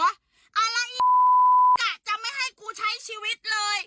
อะไรกะจะไม่ให้กูใช้ชีวิตเลย